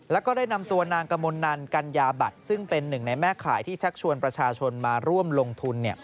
แล้วก็ได้นำตัวนางกมลนันกัญญาบัตรซึ่งเป็นหนึ่งในแม่ขายที่ชักชวนประชาชนมาร่วมลงทุน